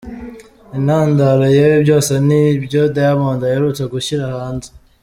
Intandaro y'ibi byose ni ibyo Diamond aherutse gushyira hanze.